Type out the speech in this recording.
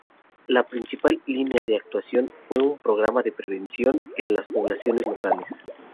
La principal línea de actuación fue un programa de prevención en las poblaciones locales.